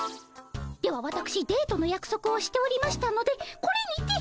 ではわたくしデートのやくそくをしておりましたのでこれにて。